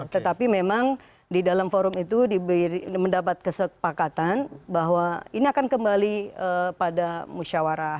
tetapi memang di dalam forum itu mendapat kesepakatan bahwa ini akan kembali pada musyawarah